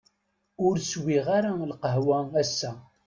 Ur swiɣ ara lqahwa ass-a.